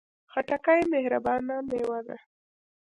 خټکی مهربانه میوه ده.